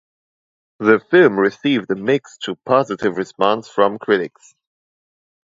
The film received a mixed to positive response from critics.